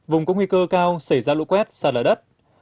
vùng có nguy cơ cao xảy ra lũ quét xa lở đất